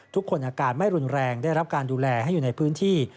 ทุกคนอาการไม่รุนแรงได้รับการดูแลให้อยู่ในพื้นที่